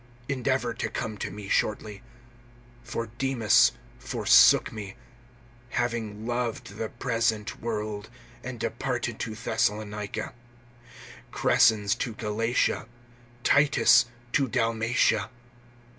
(9)Endeavor to come to me shortly. (10)For Demas forsook me, having loved the present world, and departed to Thessalonica; Crescens to Galatia, Titus to Dalmatia.